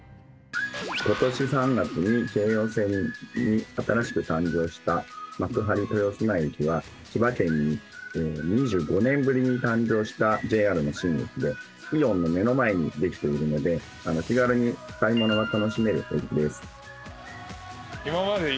今年３月に京葉線に新しく誕生した幕張豊砂駅は千葉県に２５年ぶりに誕生したＪＲの新駅でイオンの目の前にできているので気軽に買い物が楽しめる駅です。